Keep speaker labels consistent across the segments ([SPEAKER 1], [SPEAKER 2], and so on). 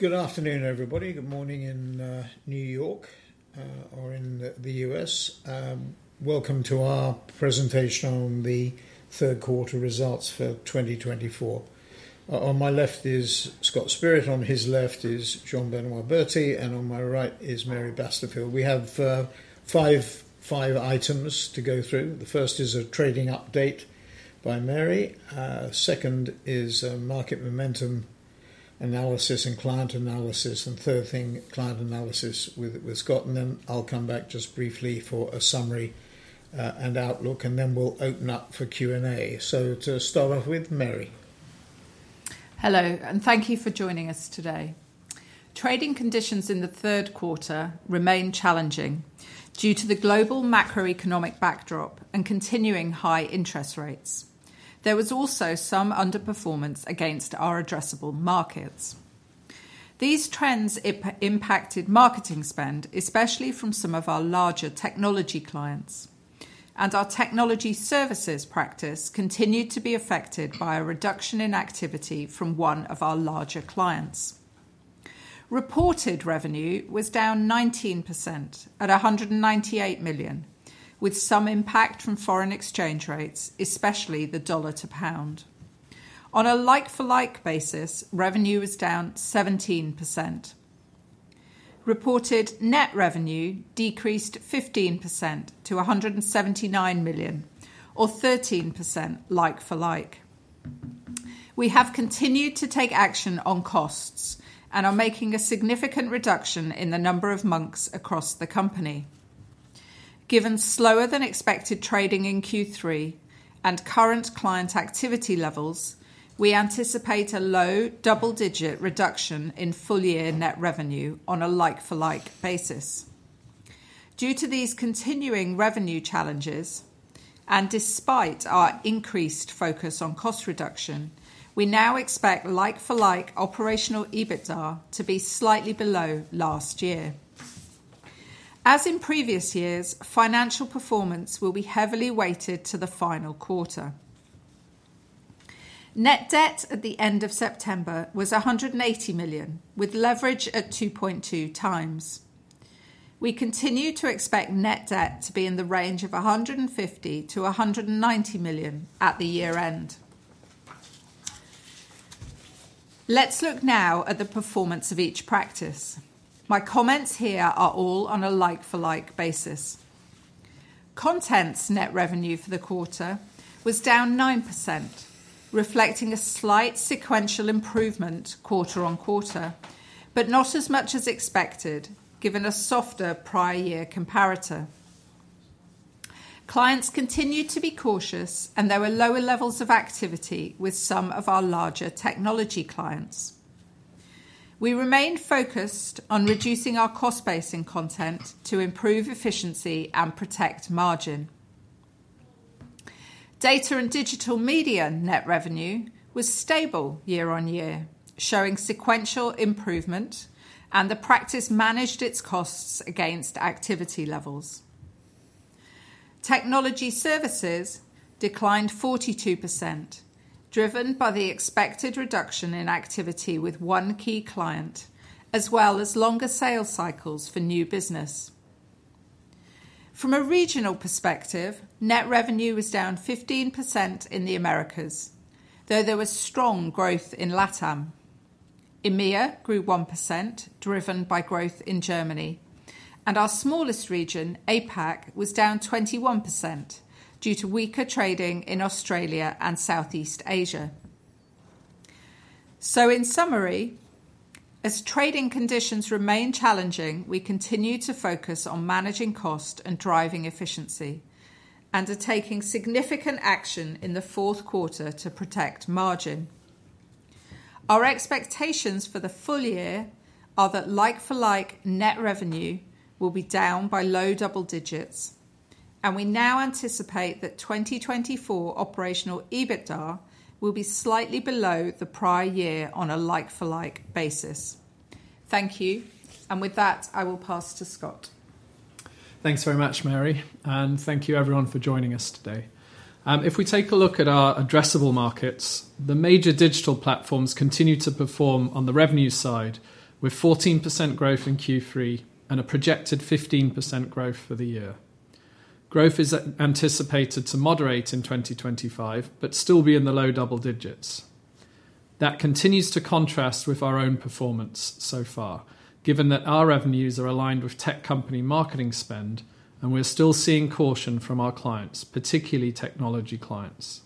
[SPEAKER 1] Good afternoon, everybody. Good morning in New York, or in the US. Welcome to our presentation on the third quarter results for 2024. On my left is Scott Spirit, on his left is Jean-Benoit Berty, and on my right is Mary Basterfield. We have five items to go through. The first is a trading update by Mary. Second is market momentum analysis and client analysis, and third thing, client analysis with Scott, and then I'll come back just briefly for a summary and outlook, and then we'll open up for Q&A, so to start off with, Mary.
[SPEAKER 2] Hello, and thank you for joining us today. Trading conditions in the third quarter remain challenging due to the global macroeconomic backdrop and continuing high interest rates. There was also some underperformance against our addressable markets. These trends impacted marketing spend, especially from some of our larger technology clients, and our Technology Services practice continued to be affected by a reduction in activity from one of our larger clients. Reported revenue was down 19% at $198 million, with some impact from foreign exchange rates, especially the dollar to pound. On a like-for-like basis, revenue was down 17%. Reported net revenue decreased 15% to $179 million, or 13% like-for-like. We have continued to take action on costs and are making a significant reduction in the number of Monks across the company. Given slower-than-expected trading in Q3 and current client activity levels, we anticipate a low double-digit reduction in full-year net revenue on a like-for-like basis. Due to these continuing revenue challenges, and despite our increased focus on cost reduction, we now expect like-for-like operational EBITDA to be slightly below last year. As in previous years, financial performance will be heavily weighted to the final quarter. Net debt at the end of September was $180 million, with leverage at 2.2 times. We continue to expect net debt to be in the range of $150-$190 million at the year-end. Let's look now at the performance of each practice. My comments here are all on a like-for-like basis. Content net revenue for the quarter was down 9%, reflecting a slight sequential improvement quarter on quarter, but not as much as expected given a softer prior-year comparator. Clients continue to be cautious, and there were lower levels of activity with some of our larger technology clients. We remain focused on reducing our cost base in content to improve efficiency and protect margin. Data & Digital Media net revenue was stable year-on-year, showing sequential improvement, and the practice managed its costs against activity levels. Technology services declined 42%, driven by the expected reduction in activity with one key client, as well as longer sales cycles for new business. From a regional perspective, net revenue was down 15% in the Americas, though there was strong growth in LATAM. EMEA grew 1%, driven by growth in Germany, and our smallest region, APAC, was down 21% due to weaker trading in Australia and Southeast Asia. So, in summary, as trading conditions remain challenging, we continue to focus on managing cost and driving efficiency, and are taking significant action in the fourth quarter to protect margin. Our expectations for the full year are that like-for-like net revenue will be down by low double digits, and we now anticipate that 2024 operational EBITDA will be slightly below the prior year on a like-for-like basis. Thank you, and with that, I will pass to Scott.
[SPEAKER 3] Thanks very much, Mary, and thank you, everyone, for joining us today. If we take a look at our addressable markets, the major digital platforms continue to perform on the revenue side, with 14% growth in Q3 and a projected 15% growth for the year. Growth is anticipated to moderate in 2025 but still be in the low double digits. That continues to contrast with our own performance so far, given that our revenues are aligned with tech company marketing spend, and we're still seeing caution from our clients, particularly technology clients.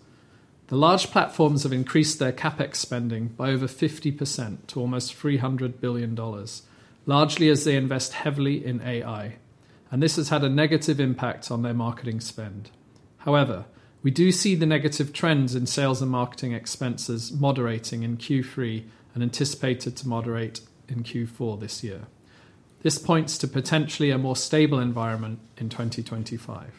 [SPEAKER 3] The large platforms have increased their CapEx spending by over 50% to almost $300 billion, largely as they invest heavily in AI, and this has had a negative impact on their marketing spend. However, we do see the negative trends in sales and marketing expenses moderating in Q3 and anticipated to moderate in Q4 this year. This points to potentially a more stable environment in 2025.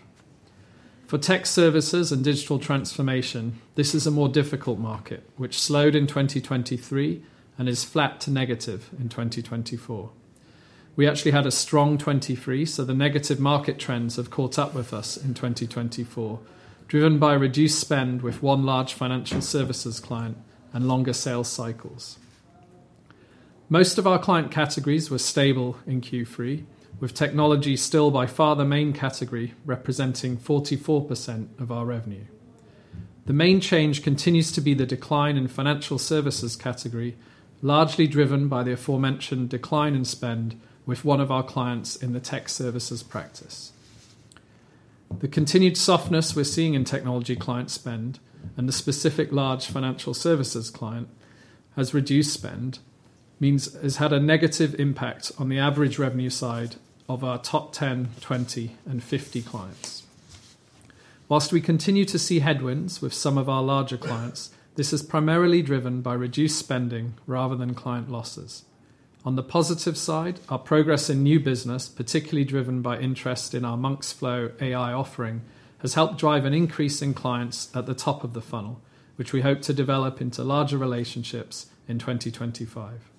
[SPEAKER 3] For tech services and digital transformation, this is a more difficult market, which slowed in 2023 and is flat to negative in 2024. We actually had a strong 2023, so the negative market trends have caught up with us in 2024, driven by reduced spend with one large financial services client and longer sales cycles. Most of our client categories were stable in Q3, with technology still by far the main category, representing 44% of our revenue. The main change continues to be the decline in financial services category, largely driven by the aforementioned decline in spend with one of our clients in the tech services practice. The continued softness we're seeing in technology client spend and the specific large financial services client has reduced spend, means has had a negative impact on the average revenue side of our top 10, 20, and 50 clients. While we continue to see headwinds with some of our larger clients, this is primarily driven by reduced spending rather than client losses. On the positive side, our progress in new business, particularly driven by interest in our Monks.Flow AI offering, has helped drive an increase in clients at the top of the funnel, which we hope to develop into larger relationships in 2025.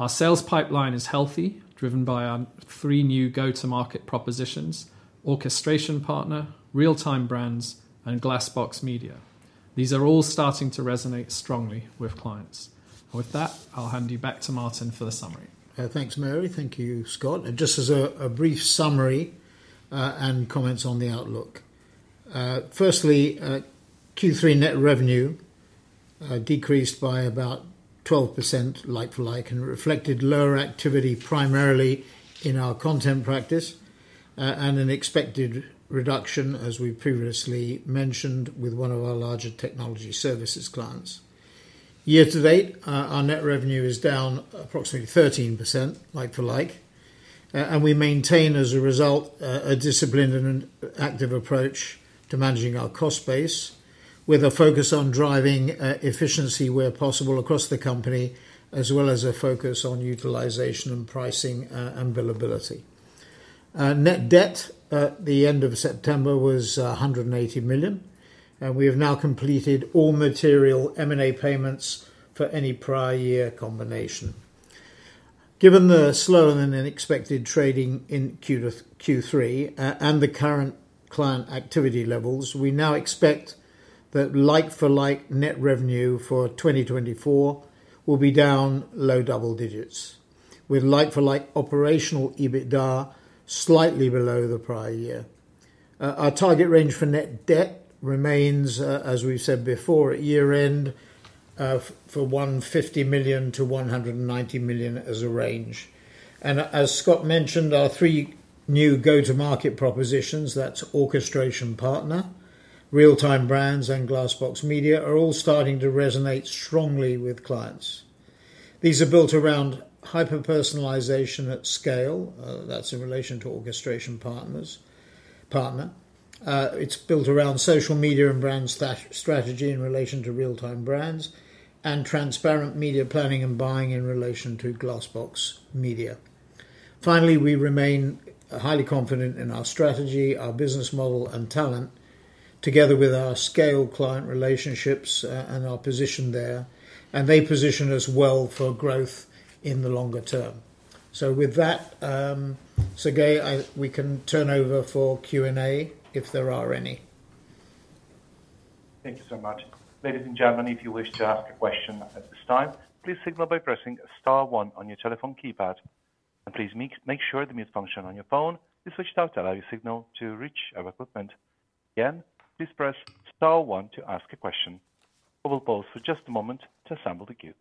[SPEAKER 3] Our sales pipeline is healthy, driven by our three new go-to-market propositions: Orchestration Partner, Real-Time Brands, and Glassbox Media. These are all starting to resonate strongly with clients. With that, I'll hand you back to Martin for the summary.
[SPEAKER 1] Thanks, Mary. Thank you, Scott. And just as a brief summary and comments on the outlook, firstly, Q3 net revenue decreased by about 12% like-for-like and reflected lower activity primarily in our Content practice and an expected reduction, as we previously mentioned, with one of our larger technology services clients. Year-to-date, our net revenue is down approximately 13% like-for-like, and we maintain, as a result, a disciplined and active approach to managing our cost base with a focus on driving efficiency where possible across the company, as well as a focus on utilization and pricing and billability. Net debt at the end of September was $180 million, and we have now completed all material M&A payments for any prior-year combination. Given the slow and unexpected trading in Q3 and the current client activity levels, we now expect that like-for-like net revenue for 2024 will be down low double digits, with like-for-like operational EBITDA slightly below the prior year. Our target range for net debt remains, as we've said before, at year-end for $150 million-$190 million as a range, and as Scott mentioned, our three new go-to-market propositions, that's Orchestration Partner, Real-Time Brands, and Glassbox Media, are all starting to resonate strongly with clients. These are built around hyper-personalization at scale, that's in relation to Orchestration Partner. It's built around social media and brand strategy in relation to Real-Time Brands and transparent media planning and buying in relation to Glassbox Media. Finally, we remain highly confident in our strategy, our business model, and talent, together with our scale client relationships and our position there, and they position us well for growth in the longer term. So with that, Sergei, we can turn over for Q&A if there are any.
[SPEAKER 4] Thank you so much. Ladies and gentlemen, if you wish to ask a question at this time, please signal by pressing Star one on your telephone keypad. And please make sure the mute function on your phone is switched out to allow your signal to reach our equipment. Again, please press Star one to ask a question. We will pause for just a moment to assemble the queue.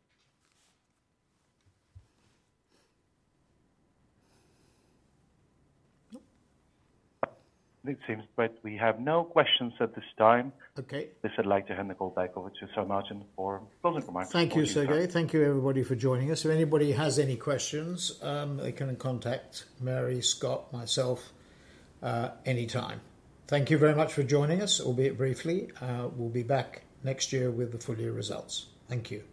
[SPEAKER 4] It seems that we have no questions at this time. This I'd like to hand the call back over to Sir Martin for closing remarks.
[SPEAKER 1] Thank you, Sergei. Thank you, everybody, for joining us. If anybody has any questions, they can contact Mary, Scott, myself, anytime. Thank you very much for joining us, albeit briefly. We'll be back next year with the full-year results. Thank you.